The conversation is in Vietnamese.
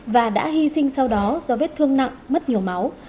và đã hy sinh sau đó do vết thương nặng mất nhiều máu